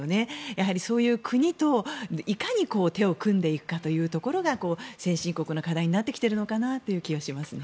やはりそういった国といかに手を組んでいくかというところが先進国の課題になってきているのかなという気がします。